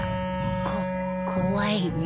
こ怖いね。